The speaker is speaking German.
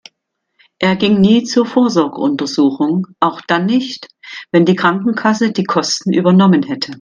Er ging nie zur Vorsorgeuntersuchung, auch dann nicht, wenn die Krankenkasse die Kosten übernommen hätte.